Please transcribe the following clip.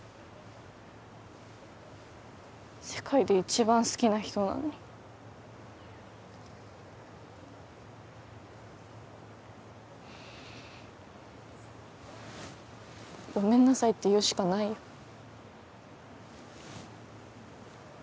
世界で一番好きな人なのにごめんなさいって言うしかないよ